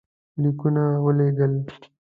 لیکونه ولېږل.